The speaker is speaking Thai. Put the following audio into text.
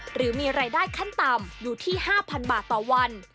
หรือมีรายได้ขั้นต่ำอยู่ที่๕๐๐บาทต่อวัน